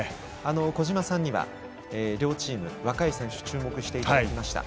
小島さんには両チーム若い選手に注目していただきました。